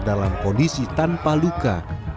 dalam kondisi tanpa luka